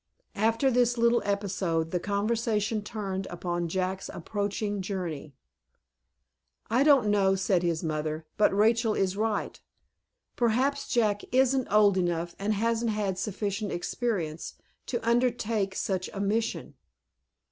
After this little episode, the conversation turned upon Jack's approaching journey. "I don't know," said his mother, "but Rachel is right. Perhaps Jack isn't old enough, and hasn't had sufficient experience to undertake such a mission."